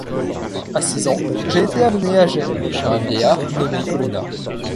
À six ans j’ai été amené à Gênes, chez un vieillard nommé Colonna.